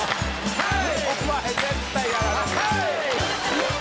はい！